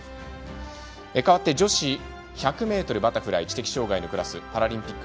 かわって女子１００ｍバタフライ知的障がいのクラスパラリンピック